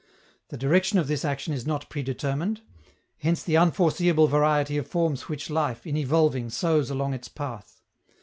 The direction of this action is not predetermined; hence the unforeseeable variety of forms which life, in evolving, sows along its path.